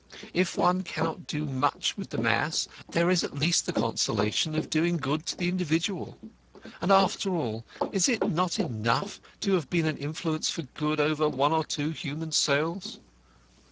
If one cannot do much with the mass, there is at least the consolation of doing good to the individual. And, after all, is it not enough to have been an influence for good over one or two human souls?